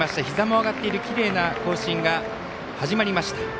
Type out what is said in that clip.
ひざも上がっているきれいな行進が始まりました。